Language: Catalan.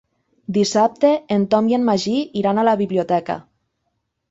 Dissabte en Tom i en Magí iran a la biblioteca.